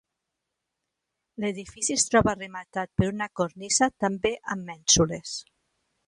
L'edifici es troba rematat per una cornisa també amb mènsules.